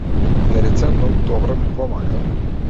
Верица е многу добра ми помага.